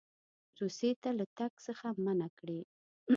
روسیې ته له تګ څخه منع کړي.